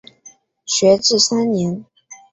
学制三年。